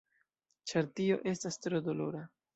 Ĉar tio estas tro dolora.